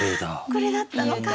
これだったのか。